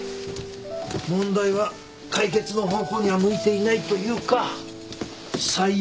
問題は解決の方向には向いていないというか最悪かもな。